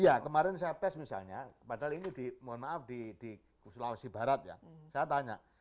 iya kemarin saya tes misalnya padahal ini di mohon maaf di sulawesi barat ya saya tanya